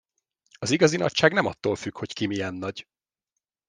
Az igazi nagyság nem attól függ, hogy ki milyen nagy!